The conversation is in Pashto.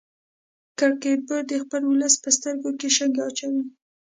کرکټ بورډ د خپل ولس په سترګو کې شګې اچوي